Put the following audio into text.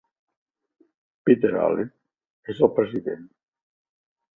Peter Allen és el president.